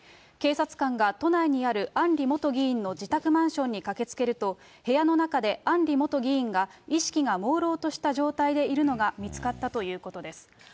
警察官が都内にある案里元議員の自宅マンションに駆けつけると、部屋の中で案里元議員が意識がもうろうとした状態でいるのが見つかったということです。